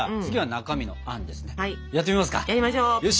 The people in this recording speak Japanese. よし！